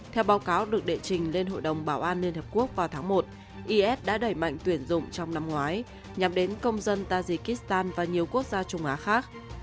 theo báo cáo được đệ trình lên hội đồng bảo an liên hợp quốc vào tháng một is đã đẩy mạnh tuyển dụng trong năm ngoái nhằm đến công dân tajikistan và nhiều quốc gia trung á khác